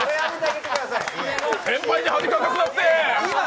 先輩に恥かかすなって。